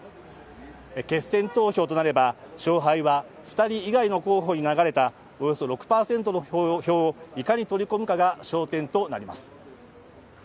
決選投票となれば、勝敗は２人以外の候補に流れたおよそ６％の票をいかに取り込むかが焦点となります。